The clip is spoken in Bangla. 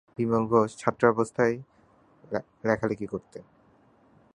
বিমল ঘোষ ছাত্রাবস্থাতেই লেখালেখি করতেন।